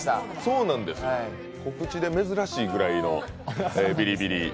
告知で珍しいくらいのビリビリ。